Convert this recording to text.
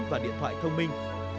và điện thoại thông minh